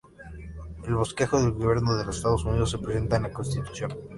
El bosquejo del gobierno de los Estados Unidos se presenta en la Constitución.